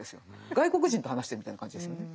外国人と話してるみたいな感じですよね。